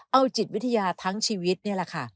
เอาจิตวิทยาทั้งชีวิตนี่แหละค่ะ